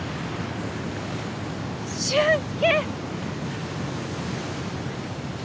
俊介！